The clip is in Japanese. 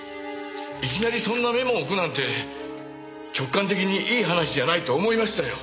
いきなりそんなメモを置くなんて直感的にいい話じゃないと思いましたよ。